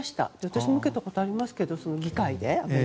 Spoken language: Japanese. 私も受けたことありますけど議会で。